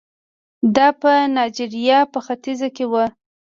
دا په نایجریا په ختیځ کې وو.